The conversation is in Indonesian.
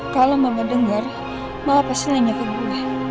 kalau mama denger mama pasti nanya ke gue